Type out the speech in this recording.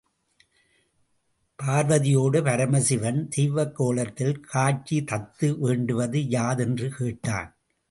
பார்வதியோடு பரமசிவன் தெய்வக் கோலத்தில் காட்சி தத்து வேண்டுவது யாது? என்று கேட்டான்.